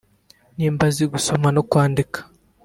niba azi gusoma no kwandika